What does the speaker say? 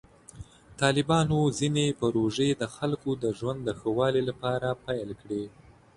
طالبانو ځینې پروژې د خلکو د ژوند د ښه والي لپاره پیل کړې.